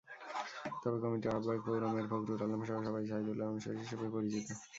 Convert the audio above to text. তবে কমিটির আহ্বায়ক পৌর মেয়র ফখরুল আলমসহ সবাই সায়দুল্লাহর অনুসারী হিসেবে পরিচিত।